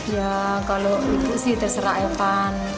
ya kalau ibu sih terserah evan